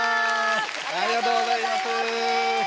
ありがとうございます。